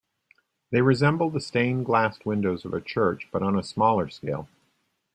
They resemble the stained glass windows of a church but on a smaller scale.